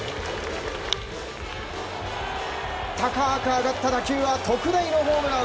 高く上がった打球は特大のホームラン！